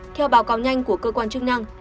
theo báo cáo nhanh của cơ quan chức năng